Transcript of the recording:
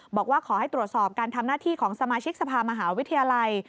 บอกว่าขอให้ตรวจสอบการทำหน้าที่ของสมาชิกสภามหาวิทยาลัย